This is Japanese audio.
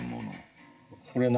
これは何？